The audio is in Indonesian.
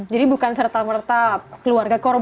jadi bukan serta merta keluarga korban nampaknya ingin mendukung